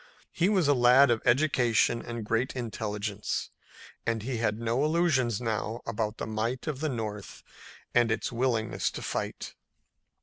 He was a lad of education and great intelligence, and he had no illusions now about the might of the North and its willingness to fight.